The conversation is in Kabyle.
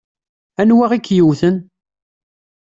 Anwa i k-yewwten?